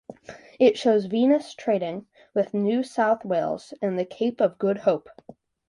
It shows "Venus" trading with New South Wales and the Cape of good Hope.